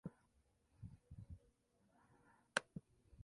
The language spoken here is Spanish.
Boe se encuentra en el suroeste de la nación insular de Nauru.